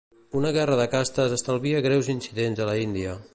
Una guerra de castes estalvia greus incidents a la Índia.